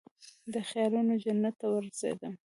د خیالونوجنت ته ورسیدم